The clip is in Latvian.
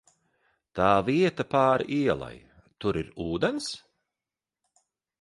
Tā vieta pāri ielai, tur ir ūdens?